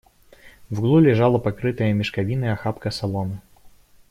В углу лежала покрытая мешковиной охапка соломы.